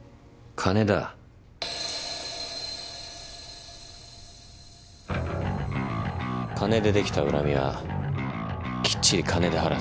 金で出来た恨みはきっちり金で晴らす。